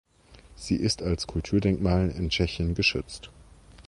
Sie ist als Kulturdenkmal in Tschechien geschützt.